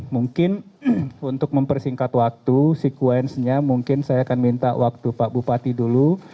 mungkin untuk mempersingkat waktu sekuensnya mungkin saya akan minta waktu pak bupati dulu